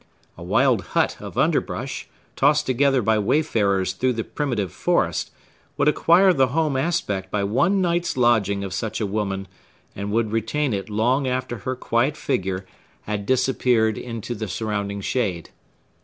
A wild hut of underbrush, tossed together by wayfarers through the primitive forest, would acquire the home aspect by one night's lodging of such a woman, and would retain it long after her quiet figure had disappeared into the surrounding shade.